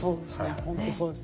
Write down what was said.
本当そうです。